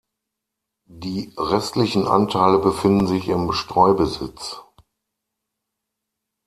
Die restlichen Anteile befinden sich im Streubesitz.